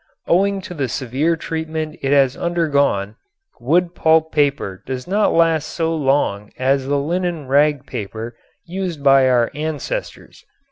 Owing to the severe treatment it has undergone wood pulp paper does not last so long as the linen rag paper used by our ancestors.